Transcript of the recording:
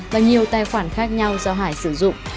và nhiều tài khoản khác nhau do hải sử dụng